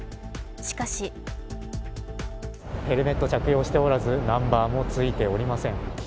しかしヘルメット着用しておらずナンバーもついていません。